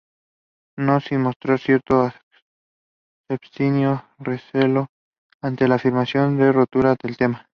No sin mostrar cierto escepticismo, recelo, ante una afirmación rotunda del tema.